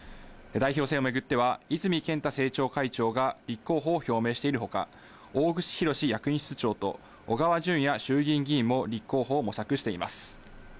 代表選を巡っては、泉健太政調会長が立候補を表明しているほか、大串博志役員室長と小川淳也衆議院議員も立候補を模索しています。